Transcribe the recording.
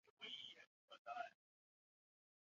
清朝崇德元年以科尔沁部置。